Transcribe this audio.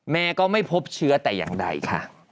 แม่ก็ไม่พบเชื้อแต่อย่างใดค่ะ